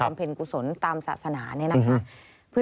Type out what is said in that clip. บำเพ็ญกุศลตามศาสนานี่นะครับ